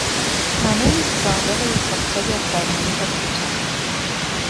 Նա նույնիսկ զբաղվել է իր կրտսեր եղբայրների կրթությամբ։